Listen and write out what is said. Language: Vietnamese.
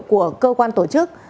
của cơ quan tổ chức